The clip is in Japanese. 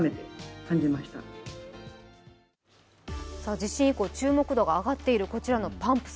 地震以降注目度が上がっているパンプス。